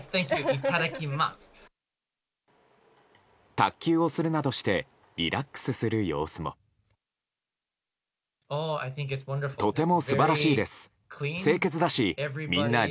卓球をするなどしてリラックスする様子も。